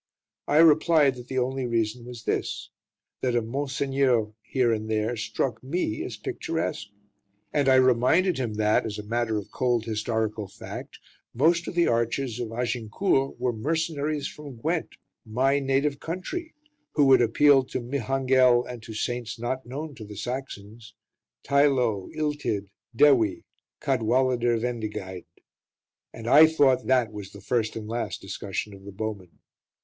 I replied that the only reason was this that a "Monseigneur" here and there struck me as picturesque; and I reminded him that, as a matter of cold historical fact, most of the archers of Agincourt were mercenaries from Gwent, my native country, who would appeal to Mihangel and to saints not known to the Saxons Teilo, Iltyd, Dewi, Cadwaladyr Vendigeid. And I thought that that was the first and last discussion of "The Bowmen".